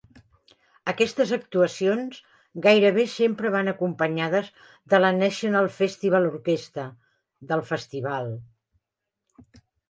Aquestes actuacions gairebé sempre van acompanyades de la "National Festival Orchestra" del festival.